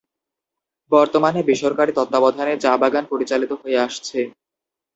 বর্তমানে বেসরকারি তত্ত্বাবধানে চা বাগান পরিচালিত হয়ে আসছে।